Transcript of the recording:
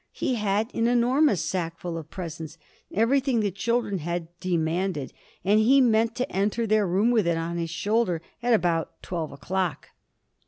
He had an enormous sack full of presents everything the children had demanded and he meant to enter their room with it on his shoulder at about twelve o'clock.